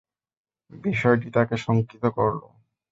বিষয়টি তাকে সঙ্কিত করল।